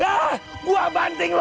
hah gua banting lu